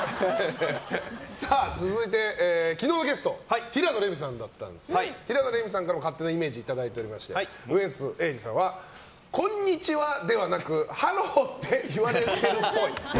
続いて、昨日ゲスト平野レミさんだったんですが平野レミさんからの勝手なイメージをいただいておりましてウエンツ瑛士さんはこんにちはー！ではなくハローって言われているっぽい。